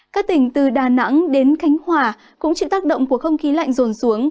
các tỉnh từ đà nẵng đến khánh hòa cũng chịu tác động của không khí lạnh rồn xuống